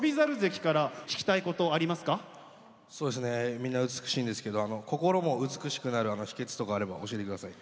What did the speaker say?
みんな美しいんですけど心も美しくなる秘けつとかあれば教えて下さい。